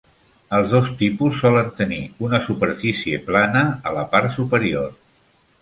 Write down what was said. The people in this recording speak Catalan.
Els dos tipus solen tenir una superfície plana a la part superior.